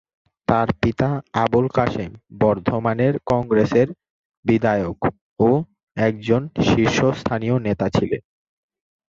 তাঁর পিতা আবুল কাশেম বর্ধমানের কংগ্রেসের বিধায়ক ও একজন শীর্ষস্থানীয় নেতা ছিলেন।